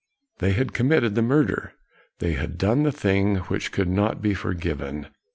They had committed the murder; they had done KNOX 127 a thing which could not be forgiven.